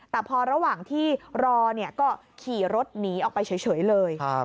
แต่พอระหว่างที่รอก็ขี่รถหนีออกไปเฉยเลย